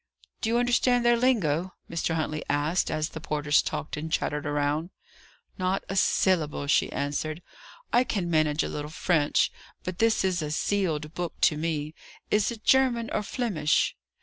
"Do you understand their lingo?" Mr. Huntley asked, as the porters talked and chattered around. "Not a syllable," she answered. "I can manage a little French, but this is as a sealed book to me. Is it German or Flemish?"